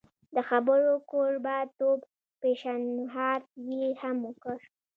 د خبرو کوربه توب پېشنهاد یې هم وکړ.